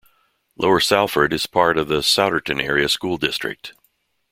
Lower Salford is part of the Souderton Area School District.